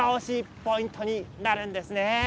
ポイントになるんです。